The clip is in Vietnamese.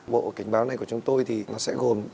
bộ cảnh báo này của chúng tôi thì nó sẽ gồm